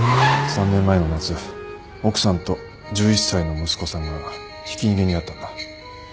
３年前の夏奥さんと１１歳の息子さんがひき逃げに遭ったんだ。